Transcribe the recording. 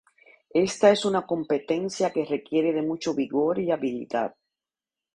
Esta es una competencia que requiere de mucho vigor y habilidad.